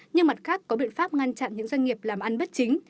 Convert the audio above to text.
nhưng mặt khác có biện pháp ngăn chặn những doanh nghiệp làm ăn bất chính